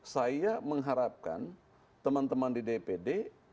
saya mengharapkan teman teman di dpd